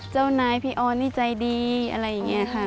เจ้านายพี่ออนนี่ใจดีอะไรอย่างนี้ค่ะ